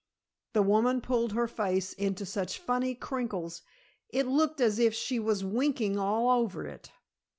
The woman pulled her face into such funny crinkles, it looked as if she was winking all over it.